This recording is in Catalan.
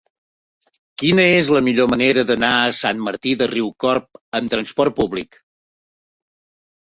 Quina és la millor manera d'anar a Sant Martí de Riucorb amb trasport públic?